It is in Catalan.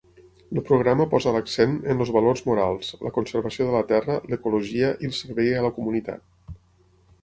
El programa posa l'accent en els valors morals, la conservació de la terra, l'ecologia i el servei a la comunitat.